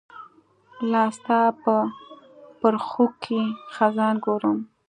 لاستا په پرښوکې خزان ګورم